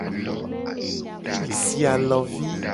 Si alovi.